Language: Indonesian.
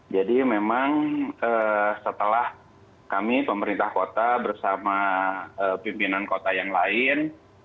jadi memang setelah kami pemerintah kota bersama pimpinan kota yang lain